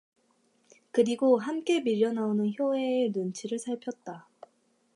그리고 함께 밀려나오는 효애의 눈치를 살폈다.